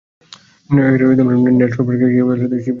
Net cash flow কেবল সীমিত পরিমাণে তথ্য সরবরাহ করে।